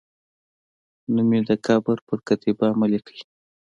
نوم مې د قبر پر کتیبه مه لیکئ